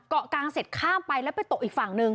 เกาะกลางเสร็จข้ามไปแล้วไปตกอีกฝั่งหนึ่ง